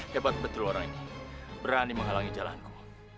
hebat betul orang ini berani menghalangi jalanku